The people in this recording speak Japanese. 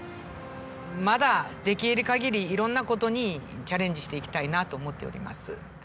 まだできる限り色んな事にチャレンジしていきたいなと思っております。